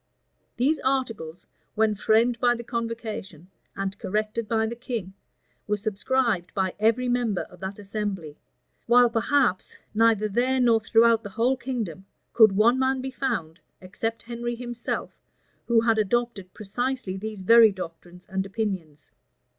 These articles, when framed by the convocation, and corrected by the king, were subscribed by every member of that assembly; while, perhaps, neither there nor throughout the whole kingdom, could one man be found, except Henry himself, who had adopted precisely these very doctrines and opinions.